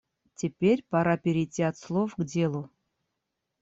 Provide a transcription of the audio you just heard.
Теперь пора перейти от слов к делу.